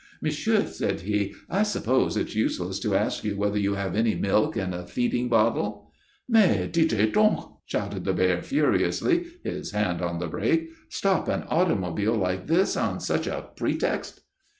"Monsieur," said he, "I suppose it's useless to ask you whether you have any milk and a feeding bottle?" "Mais dites donc!" shouted the bear, furiously, his hand on the brake. "Stop an automobile like this on such a pretext